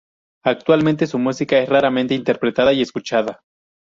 Actualmente, su música es raramente interpretada y escuchada.